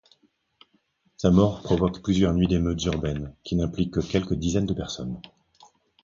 Sa mort provoque plusieurs nuits d'émeutes urbaines qui n'impliquent que quelques dizaines de personnes.